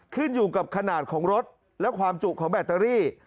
ขึ้นอยู่กับขนาดของรถและความจุของแบตเตอรี่